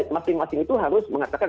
masing masing itu harus mengatakan